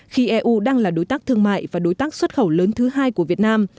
khi eu đang là đối tác thương mại và đối tác xuất khẩu lớn thứ hai của việt nam